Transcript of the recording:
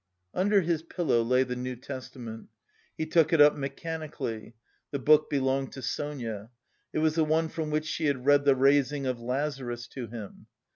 Under his pillow lay the New Testament. He took it up mechanically. The book belonged to Sonia; it was the one from which she had read the raising of Lazarus to him.